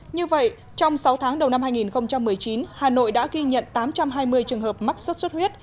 như vậy trong sáu tháng đầu năm hai nghìn một mươi chín hà nội đã ghi nhận tám trăm hai mươi trường hợp mắc sốt xuất huyết